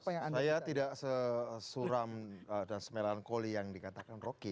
saya tidak sesuram dan semelankoli yang dikatakan roky